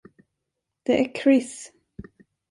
Det är Chris.